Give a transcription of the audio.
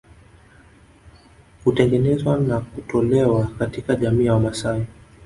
Hutengenezwa na kutolewa katika jamii ya Wamasai